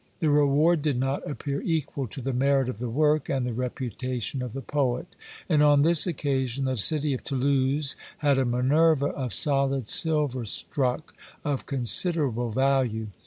The reward did not appear equal to the merit of the work and the reputation of the poet; and on this occasion the city of Toulouse had a Minerva of solid silver struck, of considerable value.